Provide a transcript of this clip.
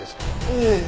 ええ。